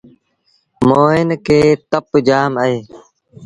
موهيݩ کي تپ جآم اهي۔